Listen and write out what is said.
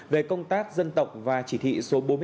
về công tác dân tộc và chỉ thị số bốn mươi ba